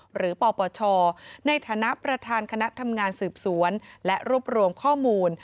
ปปชในฐานะประธานคณะทำงานสืบสวนและรวบรวมข้อมูล